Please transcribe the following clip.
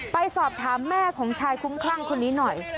ไปสอบถามแม่ของชายคุ้มคลั่งคนนี้หน่อย